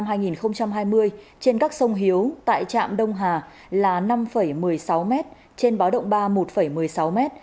mực nước trên các sông hiếu tại trạm đông hà là năm một mươi sáu m trên báo động ba là một một mươi sáu m